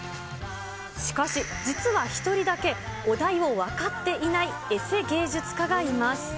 しかし、実は１人だけお題を分かっていないエセ芸術家がいます。